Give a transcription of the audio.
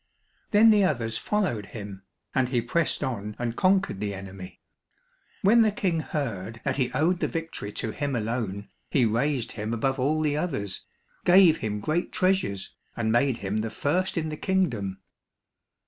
Then the others followed him, and he pressed on and conquered the enemy. When the King heard that he owed the victory to him alone, he raised him above all the others, gave him great treasures, and made him the first in the kingdom.